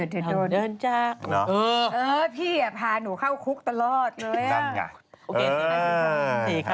ทำเดินจากเออพี่พาหนูเข้าคุกตลอดเลยค่ะ